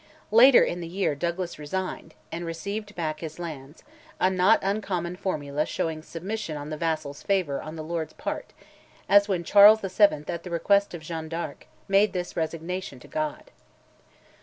Later in the year Douglas resigned, and received back his lands, a not uncommon formula showing submission on the vassal's favour on the lord's part, as when Charles VII., at the request of Jeanne d'Arc, made this resignation to God!